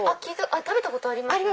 あっ食べたことあります。